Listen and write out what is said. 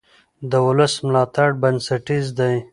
د ولس ملاتړ بنسټیز دی